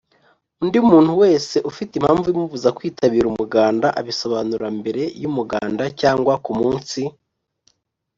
undi muntu wese ufite impamvu imubuza kwitabira umuganda abisobanuramberey’umuganda cyangwa ku munsi